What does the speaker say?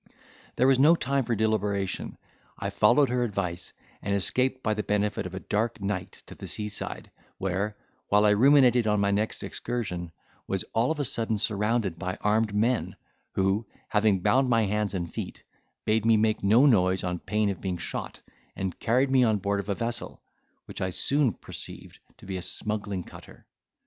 There was no time for deliberation. I followed her advice, and escaped by the benefit of a dark night to the seaside, where, while I ruminated on my next excursion, I was all of a sudden surrounded by armed men, who, having bound my hands and feet, bade me make no noise on pain of being shot, and carried me on board of a vessel, which I soon perceived to be a smuggling cutter.